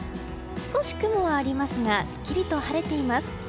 少し雲はありますがスッキリと晴れています。